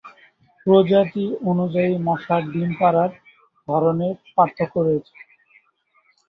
প্রজাতি অনুযায়ী মশার ডিম পাড়ার ধরনের পার্থক্য রয়েছে।